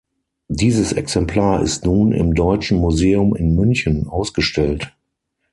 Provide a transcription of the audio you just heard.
Dieses Exemplar ist nun im Deutschen Museum in München ausgestellt.